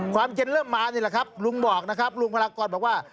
ความเย็นเริ่มมานี่แหละครับลุงบอกนะครับลุงพลากรบอกว่า